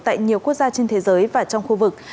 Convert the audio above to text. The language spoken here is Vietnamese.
tại nhiều quốc gia trên thế giới và trong khu vực